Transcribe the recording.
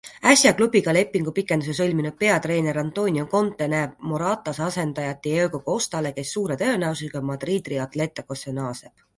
Äsja klubiga lepingupikenduse sõlminud peatreener Antonio Conte näeb Moratas asendajat Diego Costale, kes suure tõenäosusega Madridi Atleticosse naaseb.